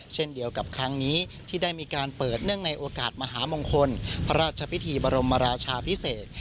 เช่นเดียวกับครั้งนี้ที่ได้มีการเปิดเนื่องในโอกาสมหามงคลพระราชพิธีบรมราชาพิเศษ